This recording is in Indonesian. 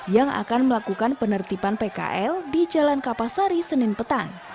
yang akan melakukan penertiban pkl di jalan kapasari senin petang